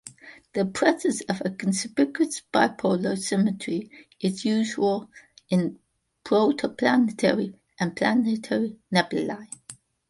The presence of a conspicuous bipolar symmetry is usual in protoplanetary and planetary nebulae.